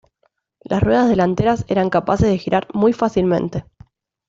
Las ruedas delanteras eran capaces de girar muy fácilmente.